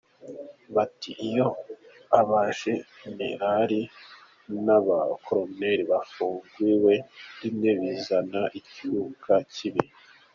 Bati iyo abajenerari n’abakoloneri bafungiwe rimwe bizana icyuka kibi.